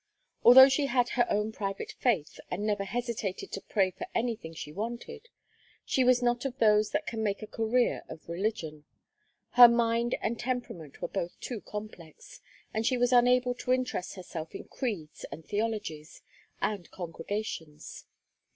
Although she had her own private faith and never hesitated to pray for anything she wanted, she was not of those that can make a career of religion; her mind and temperament were both too complex, and she was unable to interest herself in creeds and theologies and congregations.